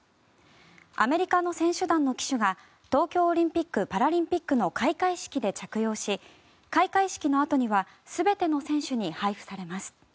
アメリカの選手団の旗手が東京オリンピック・パラリンピックの開会式で着用し開会式のあとには全ての選手に配布されます。